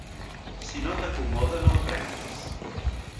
Si no t'acomoda, no ho prenguis.